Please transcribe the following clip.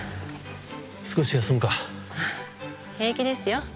少し休むか平気ですよ